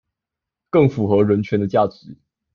更符合人權的價值